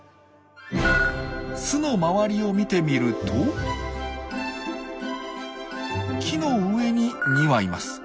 巣の周りを見てみると木の上に２羽います。